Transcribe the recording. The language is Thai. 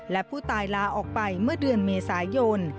และผู้ตายลาออกไปเมื่อเดือนเมษายน